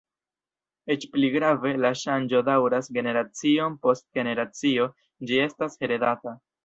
Eĉ pli grave, la ŝanĝo daŭras generacion post generacio; ĝi estas heredata.